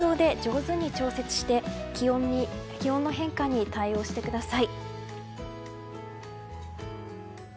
服装で上手に調節して気温の変化に対応してください。